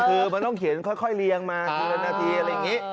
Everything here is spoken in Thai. คือมันต้องเขียนค่อยเรียงมาทีละนาทีอะไรอย่างนี้